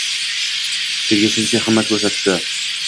Senga shuncha himmat koʻrsatibdi